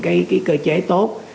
cái cơ chế tốt